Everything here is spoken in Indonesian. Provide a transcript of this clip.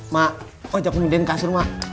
mak aku mau minta kasih rumah